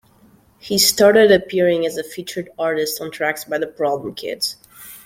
He started appearing as a featured artist on tracks by the Problem Kids.